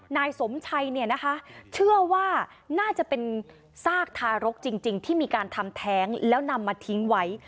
นายสมชัยเนี่ยนะคะเชื่อว่าน่าจะเป็นซากทารกจริงที่มีการทำแท้งแล้วนำมาทิ้งไว้